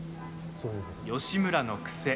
義村の癖。